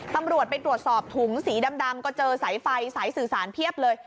ตำรวจไปตรวจสอบถุงสีดำก็เจอสายไฟสายสื่อสารเพียบเลย